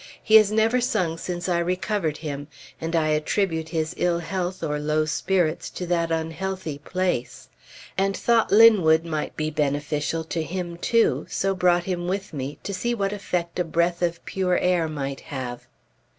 He has never sung since I recovered him; and I attribute his ill health or low spirits to that unhealthy place, and thought Linwood might be beneficial to him, too; so brought him with me, to see what effect a breath of pure air might have.